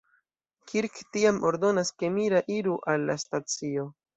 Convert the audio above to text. Kirk tiam ordonas ke Mira iru al la stacio.